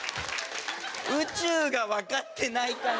宇宙がわかってないかな？